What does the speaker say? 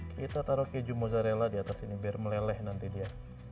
kita taruh keju mozzarella di atas ini biar meleleh nanti dia